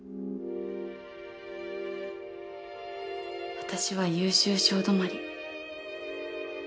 私は優秀賞止まり。